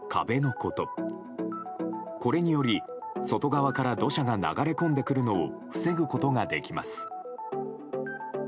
これにより、外側から土砂が流れ込んでくるのを防ぐことができます。